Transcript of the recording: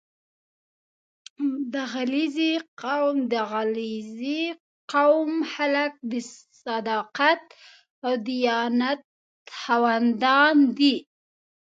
• د علیزي قوم خلک د صداقت او دیانت خاوندان دي.